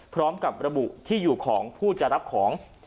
พร้อมกับระบุที่อยู่ของผู้จะรับของ